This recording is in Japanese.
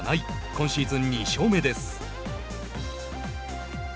今シーズン２勝目です。